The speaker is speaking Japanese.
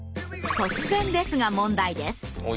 突然ですが問題です。